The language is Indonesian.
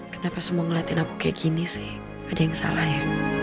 kenapa semua ngeliatin aku kayak gini sih ada yang salah ya